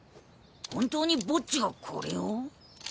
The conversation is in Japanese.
本当にボッジがこれを？